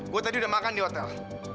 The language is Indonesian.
gue tadi udah makan di hotel